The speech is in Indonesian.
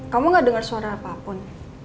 kamu gak dengar suara apapun